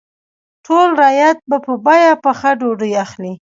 ټول رعیت به په بیه پخه ډوډۍ اخلي.